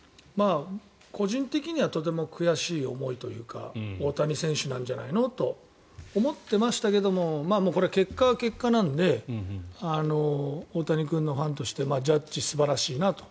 個人的にはとても悔しい思いというか大谷選手なんじゃないのと思ってましたけどもこれは結果は結果なので大谷君のファンとしてジャッジ素晴らしいなと。